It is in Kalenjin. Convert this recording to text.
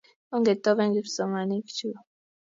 ongetoben kipsomaninik cho.